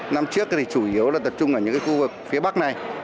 năm trước thì chủ yếu là tập trung ở những khu vực phía bắc này